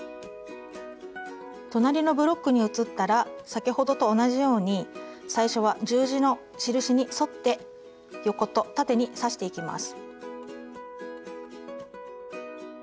隣のブロックに移ったら先ほどと同じように最初は十字の印に沿って横と縦に刺していきます。